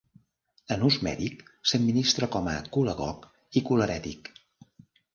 En ús mèdic, s'administra com a colagog i colerètic.